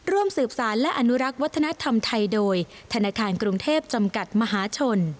ร่วมสืบสารและอนุรักษ์วัฒนธรรมไทยโดยธนาคารกรุงเทพจำกัดมหาชน